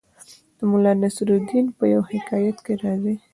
د ملا نصرالدین په یوه حکایت کې راځي